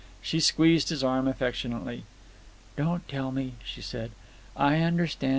She squeezed his arm affectionately. "Don't tell me," she said. "I understand.